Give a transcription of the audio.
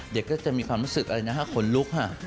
เด็กก็จะมีความรู้สึกอะไรนะคะขนลุกค่ะ